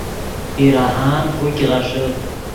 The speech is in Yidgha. پیراہان کوګ غیݰے